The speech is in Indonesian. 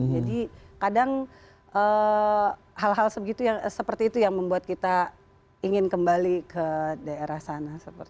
jadi kadang hal hal seperti itu yang membuat kita ingin kembali ke daerah sana